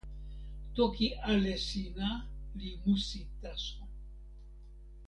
toki ale sina li musi taso.